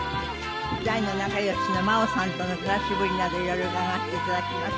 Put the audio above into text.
大の仲良しの真央さんとの暮らしぶりなど色々伺わせて頂きます。